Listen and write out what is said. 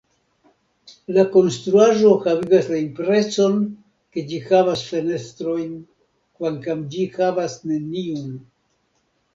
La konstruaĵo havigas la impreson ke ĝi havas fenestrojn, kvankam ĝi havas neniun.